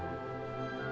võ đăng tín